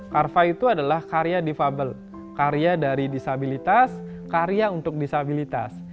carva itu adalah karya difabel karya dari disabilitas karya untuk disabilitas